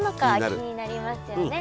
気になりますよね！